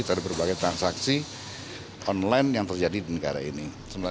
dari berbagai transaksi online yang terjadi di negara ini